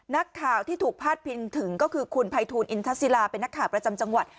นักข่าวที่ถูกพาดพิงถึงก็คือคุณภัยทูลอินทศิลาเป็นนักข่าวประจำจังหวัด